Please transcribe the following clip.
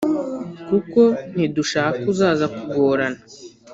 kuko ntidushaka uzaza kugorana